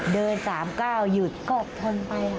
เดิน๓ก้าวหยุดก็ผ่านไป